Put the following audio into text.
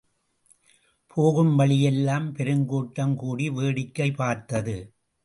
போகும் வழியெல்லாம் பெருங்கூட்டம்கூடி வேடிக்கை பார்த்தது.